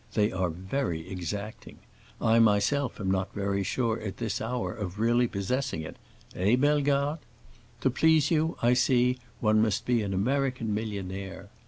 They are very exacting. I myself am not very sure at this hour of really possessing it. Eh, Bellegarde? To please you, I see, one must be an American millionaire.